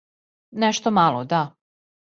Нешто мало, да.